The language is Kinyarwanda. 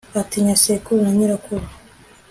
atinya sekuru na nyirakuru